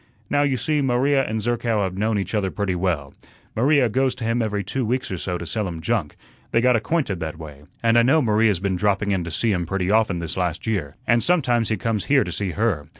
Now, you see, Maria and Zerkow have known each other pretty well. Maria goes to him every two weeks or so to sell him junk; they got acquainted that way, and I know Maria's been dropping in to see him pretty often this last year, and sometimes he comes here to see her.